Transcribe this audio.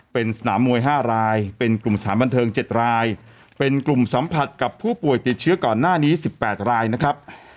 เป็นสนามมวย๕รายเป็นกลุ่มสถานบันเทิง๗รายเป็นกลุ่มสัมผัสกับผู้ป่วยติดเชื้อก่อนหน้านี้๑๘รายนะครับ